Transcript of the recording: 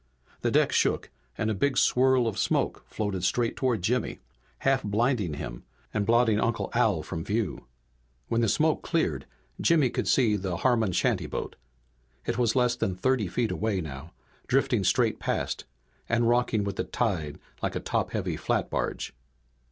The deck shook and a big swirl of smoke floated straight toward Jimmy, half blinding him and blotting Uncle Al from view. When the smoke cleared Jimmy could see the Harmon shantyboat. It was less than thirty feet away now, drifting straight past and rocking with the tide like a topheavy flatbarge.